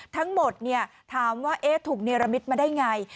ทั้งหมดเนี่ยถามว่าเอ๊ะถูกในระมิดมาได้ไง